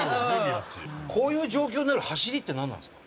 こういう状況になる走りってなんなんですか？